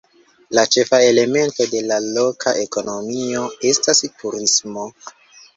La ĉefa elemento de la loka ekonomio estas turismo.